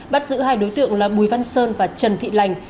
bắt giữ hai đối tượng là bùi văn sơn và trần thị lành